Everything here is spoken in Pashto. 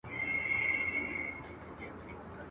لکه لېوه یې نه ګورې چاته.